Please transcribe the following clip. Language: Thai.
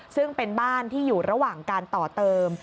ซึ่งเป็นบ้านที่อยู่ระหว่างการต่อเติม